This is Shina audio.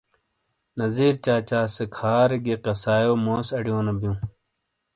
نزیر چا چا سے کھارے گئے قصایو موس اڑیو نو بیوں ۔